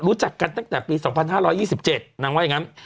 รู้จักกันตั้งแต่ปี๒๕๒๗นางว่าอย่างนั้น